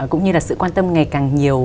cũng như là sự quan tâm ngày càng nhiều